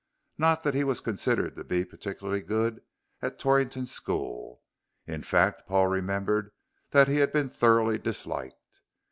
Not that he was considered to be particularly good at Torrington school. In fact, Paul remembered that he had been thoroughly disliked.